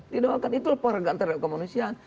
didoakan itu penghargaan terhadap kemangusiaan